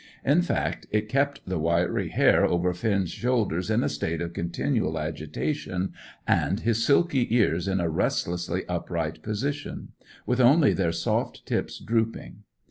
In fact, it kept the wiry hair over Finn's shoulders in a state of continual agitation and his silky ears in a restlessly upright position, with only their soft tips drooping.